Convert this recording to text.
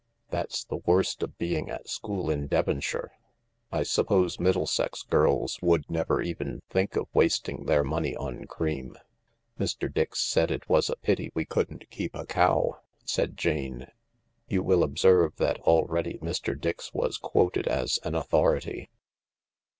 That's the worst of being at school in Devonshire. I suppose Middlesex girls would never even think of wasting their money on cream." " Mr. Dix said it was a pity we couldn't keep a cow," said Jane . You will observe that already Mr. Dix was quoted as an authority.